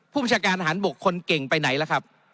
ผู้ประชาการอาหารบกคนเก่งไปไหนละครับ